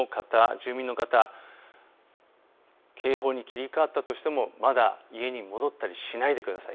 住民の方警報に切り替わったとしてもまだ家に戻ったりしないでください。